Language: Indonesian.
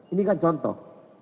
ini kan contoh